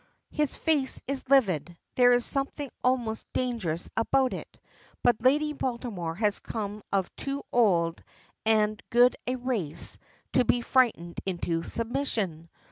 His face is livid. There is something almost dangerous about it, but Lady Baltimore has come of too old and good a race to be frightened into submission.